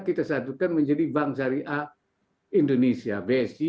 kita satukan menjadi bank syariah indonesia bsi